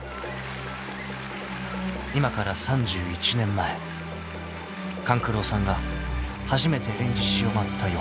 ［今から３１年前勘九郎さんが初めて『連獅子』を舞った夜］